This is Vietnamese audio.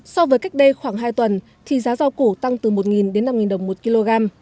so với cách đây khoảng hai tuần thì giá rau củ tăng từ một đến năm đồng một kg